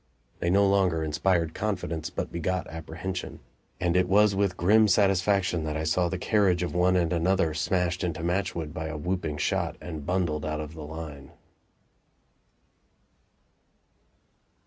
They no longer inspired confidence, but begot apprehension; and it was with grim satisfaction that I saw the carriage of one and another smashed into matchwood by a whooping shot and bundled out of the line.